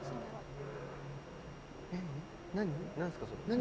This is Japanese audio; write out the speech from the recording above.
何？